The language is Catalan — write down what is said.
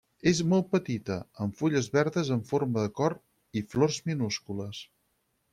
És molt petita, amb fulles verdes en forma de cor i flors minúscules.